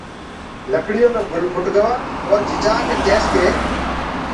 لڪڙيو مي گُل ڦُٽ گوآ اورَ چِچآڪي ڪيس ڪي